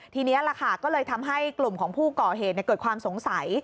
ทีนี้แหละค่ะก็เลยทำให้กลุ่มของผู้ก่อเหตุเกิดความสงสัย